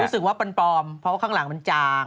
รู้สึกว่ามันปลอมเพราะว่าข้างหลังมันจาง